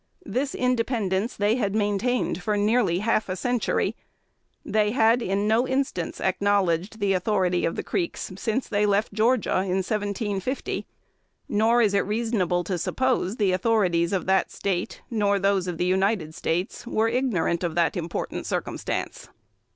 This independence they had maintained for nearly half a century. They had in no instance acknowledged the authority of the Creeks since they left Georgia, in 1750; nor is it reasonable to suppose the authorities of that State, or those of the United States, were ignorant of that important circumstance.